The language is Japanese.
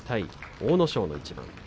阿武咲の一番。